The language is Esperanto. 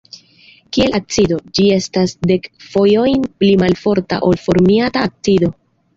Kiel acido, ĝi estas dek fojojn pli malforta ol formiata acido.